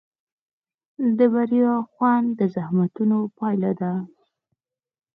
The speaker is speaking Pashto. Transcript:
د بریا خوند د زحمتونو پایله ده.